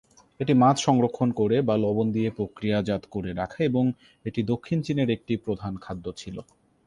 এটি মাছ সংরক্ষণ করে বা লবণ দিয়ে প্রক্রিয়াজাত করে রাখা এবং এটি দক্ষিণ চীনের একটি প্রধান খাদ্য ছিল।